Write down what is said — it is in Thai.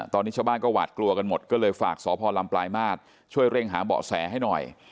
ตอนนี้ชาวบ้านก็หวาดกลัวกันหมดก็เลยฝากสพลำปลายมาตรช่วยเร่งหาเบาะแสให้หน่อย